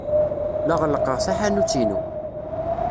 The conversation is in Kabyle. La ɣellqeɣ taḥanut-inu.